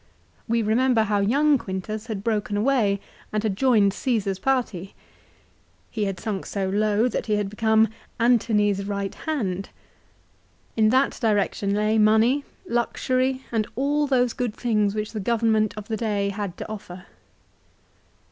We remember how young Quintus had broken away and had joined Caesar's party. He had sunk so low that he had become " Antony's right hand." In that direction lay money, luxury, and all those good things which the government of the day had to offer.